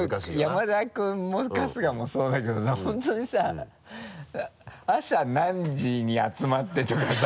山田君も春日もそうだけど本当にさ朝何時に集まってとかさ。